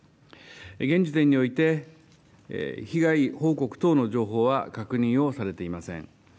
現時点において、被害報告等の情報は確認をされていません。